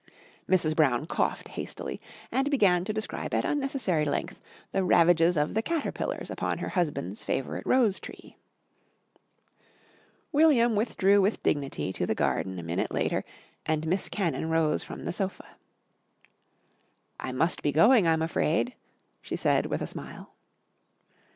Mrs. Brown coughed hastily and began to describe at unnecessary length the ravages of the caterpillars upon her husband's favourite rose tree. William withdrew with dignity to the garden a minute later and Miss Cannon rose from the sofa. "I must be going, I'm afraid," she said with a smile.